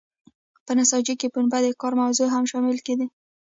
په نساجۍ کې پنبه د کار موضوع هم شمیرل کیږي.